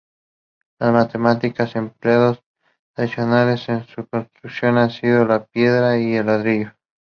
Los materiales empleados tradicionalmente en su construcción ha sido la piedra, el ladrillo.